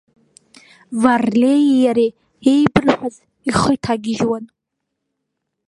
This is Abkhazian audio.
Варлеии иареи иеибырҳәаз ихы иҭагьежьуан.